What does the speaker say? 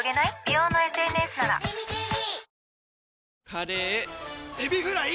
カレーエビフライ！